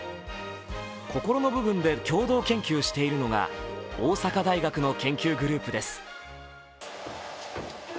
心の部分で共同研究しているのが大阪大学の研究グループです。